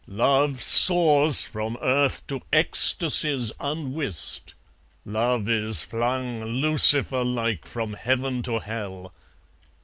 Love soars from earth to ecstasies unwist. Love is flung Lucifer like from Heaven to Hell.